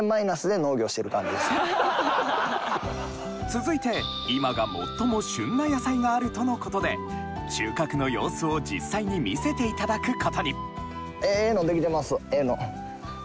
続いて今が最も旬な野菜があるとのことで収穫の様子を実際に見せて頂くことにええのできてますええの。